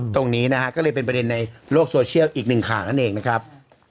ตรงนี้นะฮะก็เลยเป็นประเด็นในโลกโซเชียลอีกหนึ่งข่าวนั่นเองนะครับ